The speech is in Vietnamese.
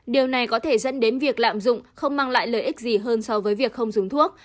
điều này có thể dẫn đến việc lạm dụng không mang lại lợi ích gì hơn so với việc không dùng thuốc